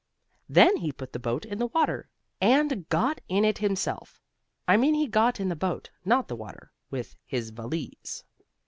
Then he put the boat in the water, and got in it himself. I mean he got in the boat, not the water with his valise.